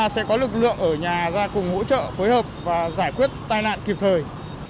sẽ có lực lượng ở nhà ra cùng hỗ trợ phối hợp và giải quyết tai nạn kịp thời